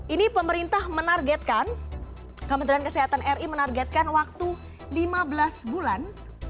ini pemerintah menargetkan kementerian kesehatan ri menargetkan waktu lima belas bulan